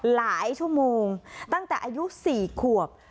หลายชั่วโมงตั้งแต่อายุ๔ขวบ